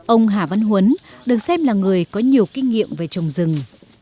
ông hà văn huấn được xem là người có nhiều kinh nghiệm về trồng rừng